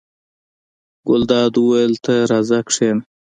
ګلداد وویل: ته راځه کېنه.